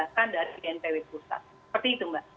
seperti itu mbak